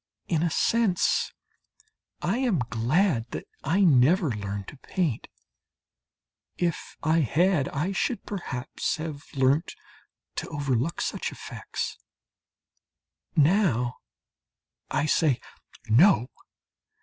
In a sense I am glad that I never learnt to paint. If I had I should perhaps have learnt to overlook such effects. Now I say, "No!